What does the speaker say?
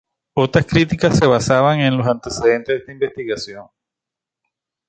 Otras críticas se basaban en los antecedentes de esta investigación.